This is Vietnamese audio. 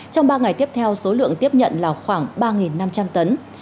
trong ba ngày tiếp theo số lượng tiếp nhận là khoảng ba năm trăm linh tấn